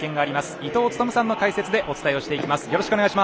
伊東勤さんの解説でお伝えしていきます。